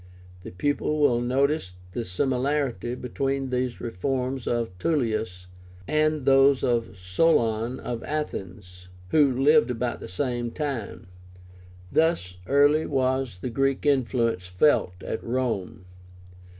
The pupil will notice the similarity between these reforms of Tullius and those of Solon of Athens, who lived about the same time. Thus early was the Greek influence felt at Rome.